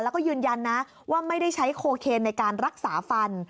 แล้วก็ยืนยันนะว่าไม่ได้ใช้โคเคนในการรักษาฟัน